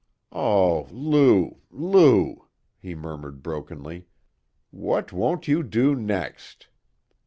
"Oh, Lou! Lou!" he murmured brokenly. "What won't you do next?"